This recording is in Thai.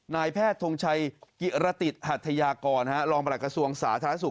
นายแพทย์ทงชัยกิรติหัทยากรรองประหลักกระทรวงสาธารณสุข